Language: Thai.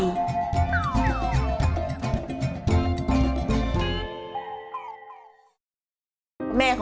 รายการต่อไปนี้เป็นรายการทั่วไปสามารถรับชมได้ทุกวัย